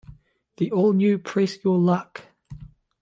The All-New Press Your Luck.